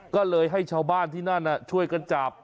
ก็เลยให้ชาวบ้านที่นั่นช่วยกันจับ